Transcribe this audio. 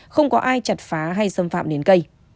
không có ai chặt phá hay xâm phạm đến cây